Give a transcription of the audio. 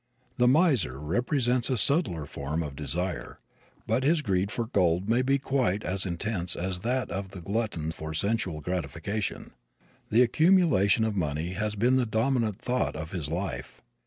The miser represents a subtler form of desire, but his greed for gold may be quite as intense as that of the glutton for sensual gratification. The accumulation of money has been the dominant thought of his life.